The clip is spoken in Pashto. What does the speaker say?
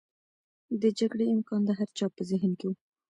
د جګړې امکان د هر چا په ذهن کې و.